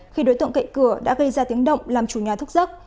khi đối tượng cậy cửa đã gây ra tiếng động làm chủ nhà thức giấc